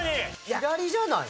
左じゃない？